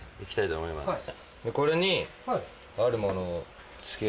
これに。